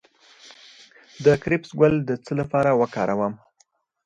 د کرفس ګل د څه لپاره وکاروم؟